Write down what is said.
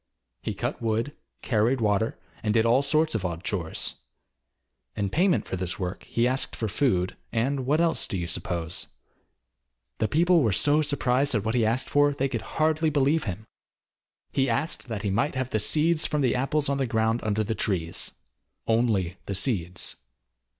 He cut wood, carried water, and did all sorts of odd chores. In payment for this work he asked for food, and what else do you suppose? The people were so surprised at what he asked for they could hardly believe him. He asked that he might have the seeds from the apples on the ground under the trees only the seeds.